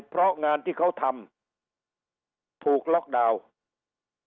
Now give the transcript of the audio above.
เพราะงานที่เขาทำถูกล็อกดาวน์